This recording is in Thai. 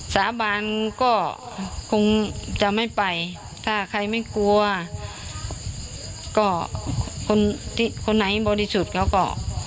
สาบานก็คงจะไม่ไปถ้าใครไม่กลัวก็คนที่คนไหนบริสุทธิ์เขาก็